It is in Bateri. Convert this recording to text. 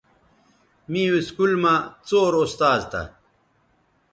می اسکول مہ څور استاذ تھہ